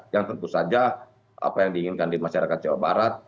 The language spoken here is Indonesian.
yang tentu saja apa yang diinginkan di masyarakat jawa barat